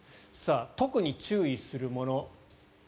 特に注意するもの。